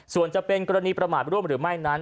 ส่วนจะเป็นกรณีประมาทร่วมหรือไม่นั้น